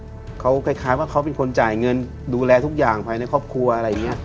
เขาคล้ายว่าเขาเป็นคนจ่ายเงินดูแลทุกอย่างภายในครอบครัวอะไรอย่างนี้